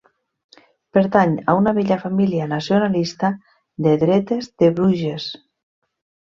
Pertany a una vella família nacionalista de dretes de Bruges.